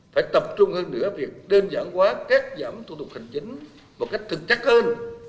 phải tập trung hơn nữa việc đơn giản hóa cắt giảm thủ tục hành chính một cách thực chất hơn